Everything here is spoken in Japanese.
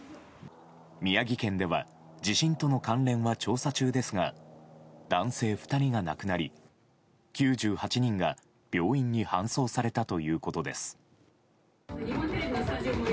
宮城県では地震との関連は調査中ですが男性２人が亡くなり９８人が病院に搬送されたということです。